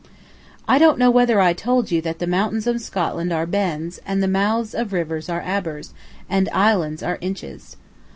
I don't know whether I told you that the mountains of Scotland are "Bens," and the mouths of rivers are "abers," and islands are "inches."